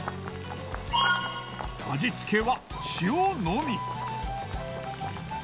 味付けは塩のみ。